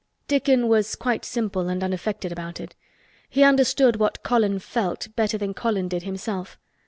Dickon was quite simple and unaffected about it. He understood what Colin felt better than Colin did himself.